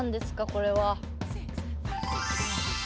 これは。